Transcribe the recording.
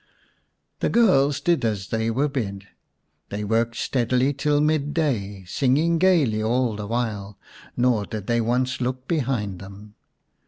The girls did as they were bid. They worked steadily till mid day, singing gaily all the while ; nor did they once look behind them.